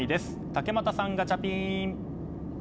竹俣さん、ガチャピン。